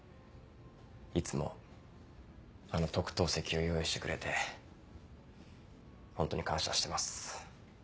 いつもあの特等席を用意してくれて本当に感謝してます。